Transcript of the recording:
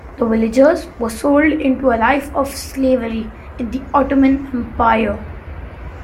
The villagers were sold into a life of slavery in the Ottoman Empire.